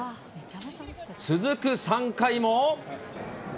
続く３回も。